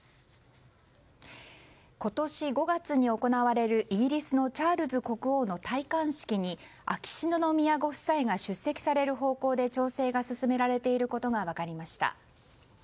今年５月に行われるイギリスのチャールズ国王の戴冠式に、秋篠宮ご夫妻が出席される方向で調整が進められていることが分かりました。